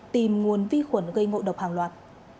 tìm nguồn vi khuẩn gây ngộ độc hàng loạt